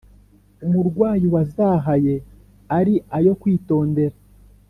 umurwayi wazahaye ari ayo kwitondera,